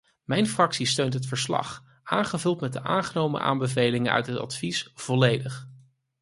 Mijn fractie steunt het verslag, aangevuld met de aangenomen aanbevelingen uit het advies, volledig.